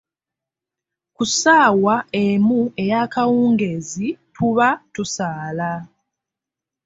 Ku ssaawa emu ey’akawungeezi tuba tusaala.